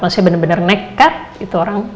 maksudnya bener bener nekat itu orang